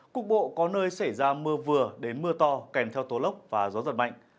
cục bộ có nơi xảy ra mưa vừa đến mưa to kèm theo tố lốc và gió giật mạnh